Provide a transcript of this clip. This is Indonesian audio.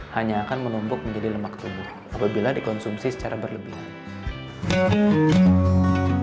hanya akan menumpuk menjadi lemak tubuh apabila dikonsumsi secara berlebihan